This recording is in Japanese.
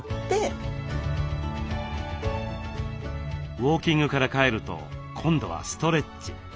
ウォーキングから帰ると今度はストレッチ。